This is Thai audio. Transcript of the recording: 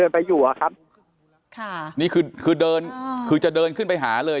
ไปอยู่อะครับค่ะนี่คือคือเดินคือจะเดินขึ้นไปหาเลย